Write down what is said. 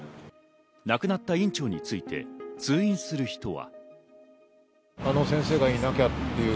亡くなった院長について通院する人は。